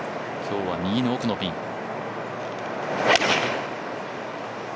今日は右の奥のピン。